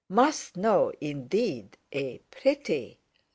Must know—indeed, a pretty...?